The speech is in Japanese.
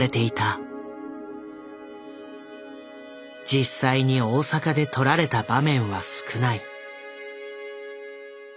実際に大阪で撮られた場面は少ない。